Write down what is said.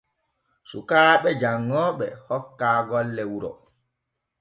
Sukaaɓe janŋooɓe hokkaa golle wuro.